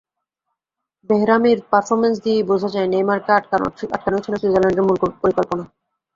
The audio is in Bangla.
বেহরামির পারফরম্যান্স দিয়েই বোঝা যায়, নেইমারকে আটকানোই ছিল সুইজারল্যান্ডের মূল পরিকল্পনা।